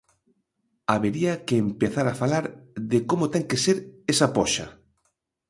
Habería que empezar a falar de como ten que ser esa poxa.